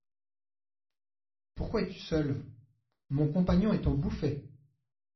Pourquoi es-tu seul ? Mon compagnon est au Bouffay.